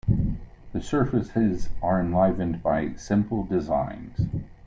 The surfaces are enlivened by simple designs.